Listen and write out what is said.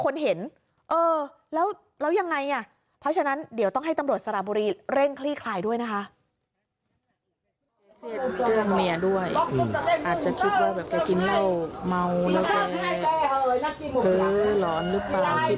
แล้วยังไงเพราะฉะนั้นเดี๋ยวต้องให้ตำรวจสระบุรีเร่งคลี่ข่ายด้วยนะคะ